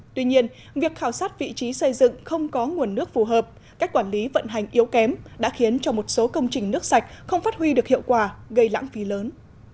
tuy nhiên việc khảo sát vị trí xây dựng không có nguồn nước phù hợp cách quản lý vận hành yếu kém đã khiến cho một số công trình nước sạch không phát huy được hiệu quả gây lãng phí lớn